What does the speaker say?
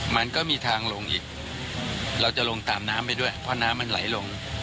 มันก็มีทางลงอีกเราจะลงตามน้ำไปด้วยเพราะน้ำมันไหลลง